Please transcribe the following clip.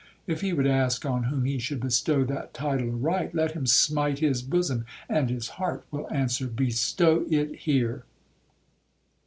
If he would ask on whom he should bestow that title aright, let him smite his bosom, and his heart will answer,—Bestow it here!'